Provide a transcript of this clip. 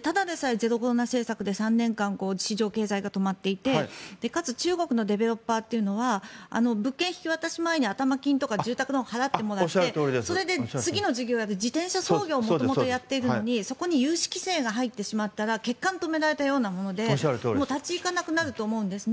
ただでさえゼロコロナ政策で３年間、市場経済が止まっていてかつ、中国のディベロッパーというのは物件引き渡し前に頭金とか住宅ローンを払ってもらってそれで次の事業をやるという自転車操業を元々やっているのにそこに融資規制が入ってしまったら血管を止められたようなもので立ち行かなくなると思うんです。